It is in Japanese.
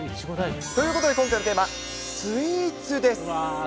ということで今回のテーマ、スイーツです。